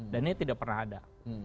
dan ini tidak pernah ada